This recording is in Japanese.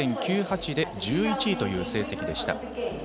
９０．９８で１１位という成績でした。